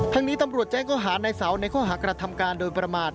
ทั้งนี้ตำรวจแจ้งก็หานายเสาในข้อหากรัฐธรรมการโดยประมาท